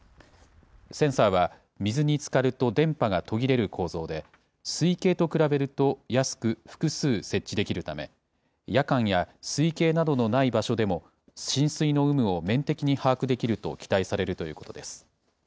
センサーは水につかると電波が途切れる構造で、水位計と比べると安く、複数設置できるため、夜間や水位計などのない場所でも、浸水の有無を面的に把握できると期待されるということです。